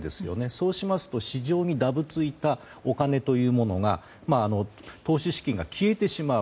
そうしますと市場にだぶついたお金というものが投資資金が消えてしまう。